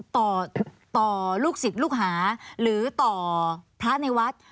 ต่อต่อลูกศิษย์ลูกหาหรือต่อพระในวัด